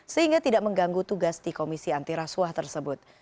sehingga tidak mengganggu tugas di komisi antirasuah tersebut